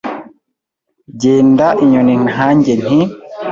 Genda inyoni nkanjye nti